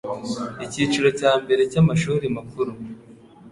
icyiciro cya mbere cy'amashuri makuru